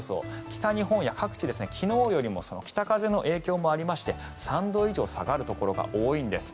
北日本や各地、昨日よりも北風の影響もありまして３度以上下がるところが多いんです。